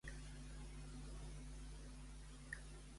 Quins problemes tenia Jacob amb Esaú?